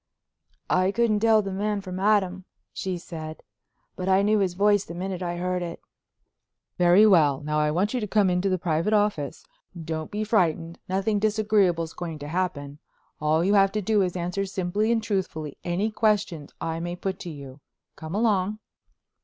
"I couldn't tell the man from Adam," she said, "but I knew his voice the minute I heard it." "Very well. Now I want you to come into the private office. Don't be frightened; nothing disagreeable's going to happen. All you have to do is to answer simply and truthfully any questions I may put to you. Come along."